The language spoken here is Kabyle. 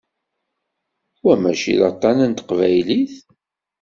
Wa mačči d aṭan n teqbaylit?